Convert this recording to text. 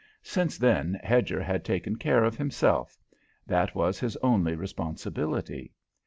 Since then, Hedger had taken care of himself; that was his only responsibility.